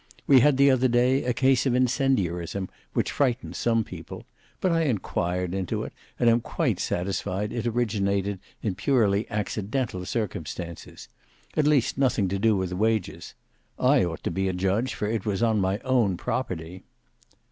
We had the other day a case of incendiarism, which frightened some people: but I inquired into it, and am quite satisfied it originated in purely accidental circumstances; at least nothing to do with wages. I ought to be a judge, for it was on my own property."